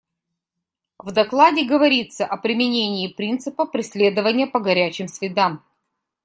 В докладе говорится о применении принципа «преследования по горячим следам».